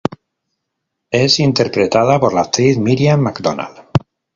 Es interpretada por la actriz Miriam McDonald.